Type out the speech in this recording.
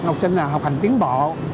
học sinh là học hành tiến bộ